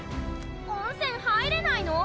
温泉入れないの？